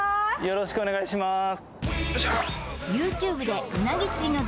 よろしくお願いします